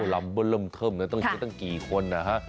ลำเล่มเทิมต้องใช้ตั้งกี่คนอ่ะฮะ